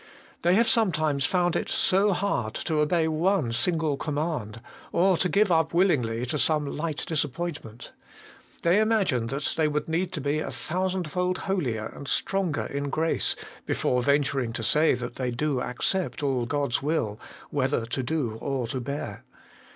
They have sometimes found it so hard to obey one single com mand, or to give up willingly to some light disap pointment. They imagine that they would need to be a thousandfold holier and stronger in grace, before venturing to say that they do accept all God's will, whether to do or to bear.